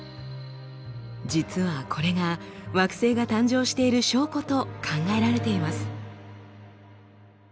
実はこれが惑星が誕生している証拠と考えられています。